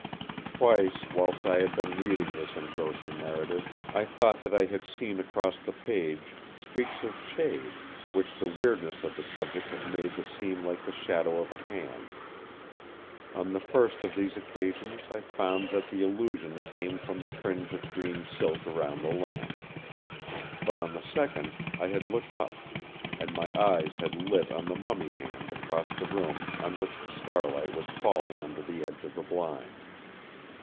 Twice, whilst I had been reading this engrossing narrative, I had thought that I had seen across the page streaks of shade, which the weirdness of the subject had made to seem like the shadow of a hand. On the first of these occasions I found that the illusion came from the fringe of green silk around the lamp; but on the second I had looked up, and my eyes had lit on the mummy hand across the room on which the starlight was falling under the edge of the blind.